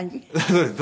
そうです。